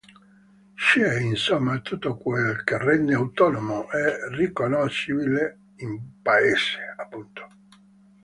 C'è, insomma, tutto quel che rende autonomo e riconoscibile un paese, appunto.